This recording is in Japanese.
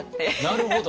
なるほど。